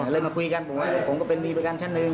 มาคุยกันบอกว่าผมก็เป็นมีประกันชั้นหนึ่ง